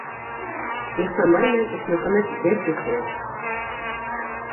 Ихсанбай менән Ишмөхәмәт... бер кеше?!